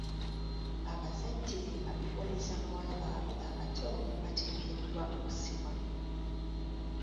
Abazadde abafumbiza bawala baabwe abato bateekeddwa okusibwa .